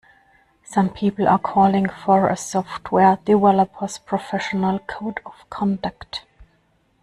Some people are calling for a software developers' professional code of conduct.